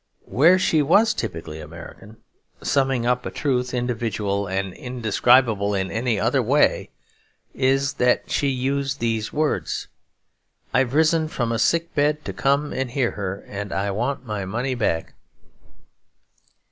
Where she was typically American, summing up a truth individual and indescribable in any other way, is that she used these words: 'I've risen from a sick bed to come and hear her, and I want my money back.'